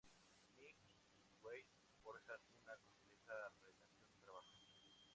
Milk y White forjan una compleja relación de trabajo.